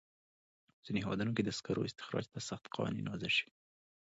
په ځینو هېوادونو کې د سکرو استخراج ته سخت قوانین وضع شوي.